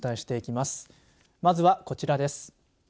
まずは、こちらです。